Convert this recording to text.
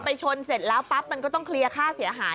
ชนเสร็จแล้วปั๊บมันก็ต้องเคลียร์ค่าเสียหาย